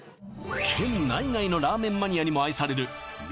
県内外のラーメンマニアにも愛される味